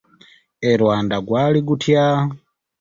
E Rwanda gwali gutya?